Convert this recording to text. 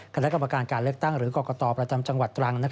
คณะกรรมการการเลือกตั้งหรือกรกตประจำจังหวัดตรัง